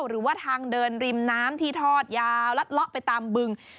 หรือว่าทางเดินริมน้ำที่ทอดยาวรัดเลาะไปตามบึง